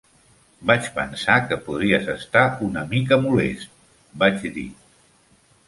"Vaig pensar que podries estar una mica molest", vaig dir.